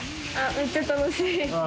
めっちゃ楽しい。